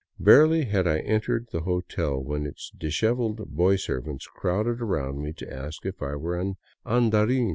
Barely had I entered the hotel when its dishevelled boy servants crowded around me to ask if I were an " andarin."